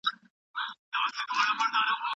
کوچني او پوره کوچیان باید مناسب وېشل شي.